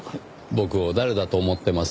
僕を誰だと思っています？